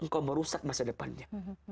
kamu merusak masa depannya